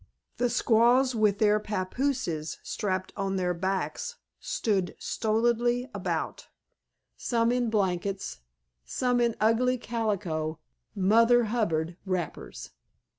The squaws with their papooses strapped on their backs stood stolidly about, some in blankets, some in ugly calico "Mother Hubbard" wrappers.